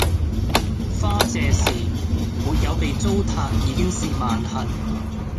花謝時；沒有被糟蹋已經是萬幸